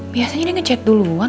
biasanya dia ngechat duluan